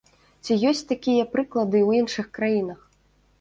Ці ёсць такія прыклады ў іншых краінах?